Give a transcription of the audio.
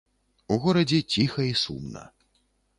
У горадзе ціха і сумна.